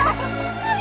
saya padahal tidak dapat